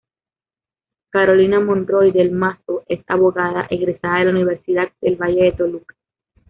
Carolina Monroy del Mazo es abogada egresada de la Universidad del Valle de Toluca.